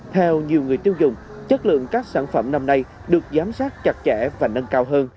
theo nhiều người tiêu dùng chất lượng các sản phẩm năm nay được giám sát chặt chẽ và nâng cao hơn